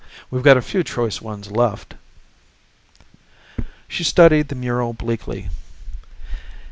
We've got a few choice ones left." She studied the mural bleakly.